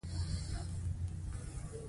ده راته وویل شبستري تر سروش زیات تسلط لري.